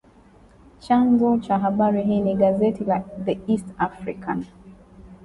Chanzo cha habari hii ni gazeti la “The East African”